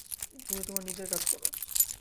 তুমি তোমার নিজের কাজ করো।